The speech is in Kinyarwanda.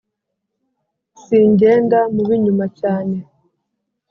Singenda mu b’inyuma cyane.